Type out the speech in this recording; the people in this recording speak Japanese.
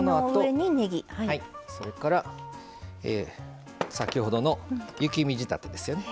それから先ほどの雪見仕立てですね。